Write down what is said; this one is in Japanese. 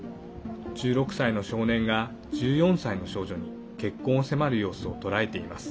１６歳の少年が１４歳の少女に結婚を迫る様子を捉えています。